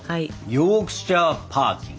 ヨークシャー・パーキン。